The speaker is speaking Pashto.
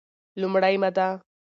لومړې ماده: